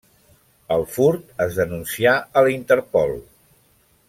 El furt es denuncià a la Interpol.